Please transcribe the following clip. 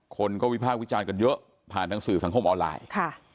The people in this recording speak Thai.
คนก็วิพากษ์วิจารณ์กันเยอะผ่านทางสื่อสังคมออนไลน์